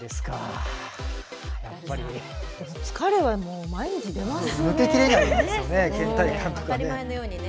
疲れは毎日出ますよね。